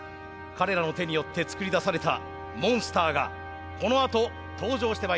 彼らの手によって作り出されたモンスターがこのあと登場してまいります。